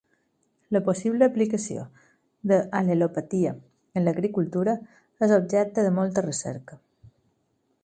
La possible aplicació de al·lelopatia en l'agricultura és objecte de molta recerca.